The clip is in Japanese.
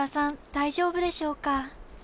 大丈夫でしょうか？